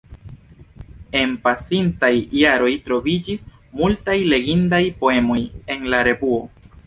En pasintaj jaroj troviĝis multaj legindaj poemoj en la revuo.